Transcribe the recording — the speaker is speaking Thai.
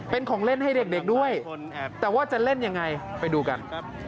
เป็นของเล่นให้เด็กด้วยแต่ว่าจะเล่นยังไงไปดูกัน